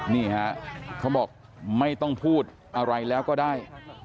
นี่ฮะเขาบอกไม่ต้องพูดอะไรแล้วก็ได้